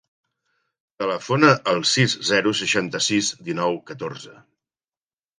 Telefona al sis, zero, seixanta-sis, dinou, catorze.